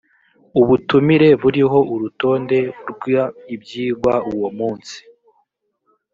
ubutumire buriho urutonde rw ibyigwa uwo munsi